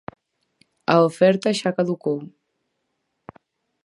A oferta xa caducou.